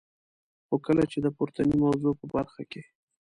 خو کله چي د پورتنی موضوع په برخه کي.